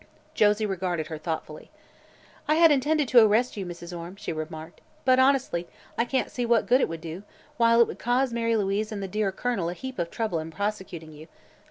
Josie regarded her thoughtfully. "I had intended to arrest you, Mrs. Orme," she remarked; "but, honestly, I can't see what good it would do, while it would cause Mary Louise and the dear Colonel a heap of trouble in prosecuting you.